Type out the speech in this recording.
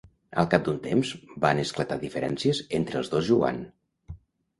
Al cap d'un temps van esclatar diferències entre els dos Joan.